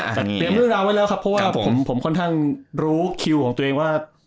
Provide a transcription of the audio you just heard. เตรียมเรื่องราวไว้แล้วครับเพราะว่าผมค่อนข้างรู้คิวของตัวเองว่า